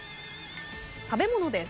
食べ物です。